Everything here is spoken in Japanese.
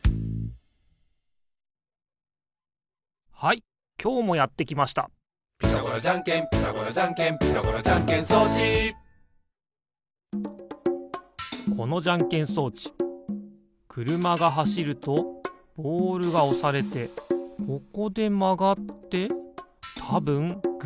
はいきょうもやってきました「ピタゴラじゃんけんピタゴラじゃんけん」「ピタゴラじゃんけん装置」このじゃんけん装置くるまがはしるとボールがおされてここでまがってたぶんグーがでる。